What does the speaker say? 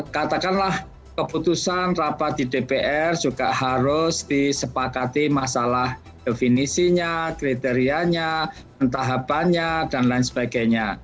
katakanlah keputusan rapat di dpr juga harus disepakati masalah definisinya kriterianya pentahapannya dan lain sebagainya